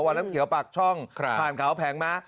น้ำเขียวปากช่องผ่านเขาแผงม้า